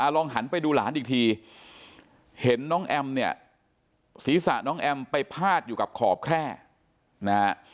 ลองหันไปดูหลานอีกทีเห็นน้องแอมเนี่ยศีรษะน้องแอมไปพาดอยู่กับขอบแคร่นะฮะ